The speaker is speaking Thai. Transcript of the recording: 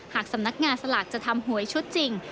หากสำนักงานสลากจะทำหวยชุดจริง